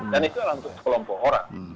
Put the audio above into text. dan itu adalah untuk sekelompok orang